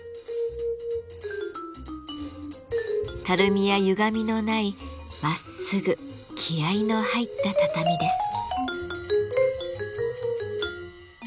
たるみやゆがみのないまっすぐ気合いの入った畳です。